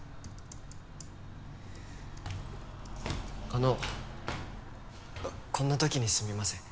あのこんな時にすみません。